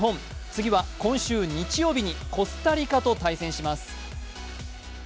次は今週日曜日にコスタリカと対戦します。